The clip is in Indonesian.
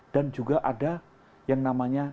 dan juga ada yang namanya